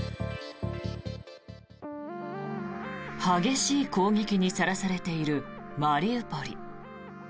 激しい攻撃にさらされているマリウポリ。